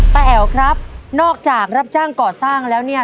แอ๋วครับนอกจากรับจ้างก่อสร้างแล้วเนี่ย